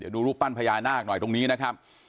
ดูรูปปั้นพญานาคหน่อยตรงนี้นะครับ